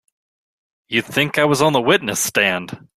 You'd think I was on the witness stand!